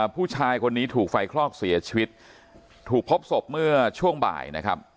ผู้ชายคนนี้ถูกไฟคลอกเสียชีวิตถูกพบศพเมื่อช่วงบ่ายนะครับ